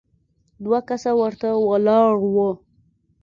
دوه کسه ورته ولاړ وو.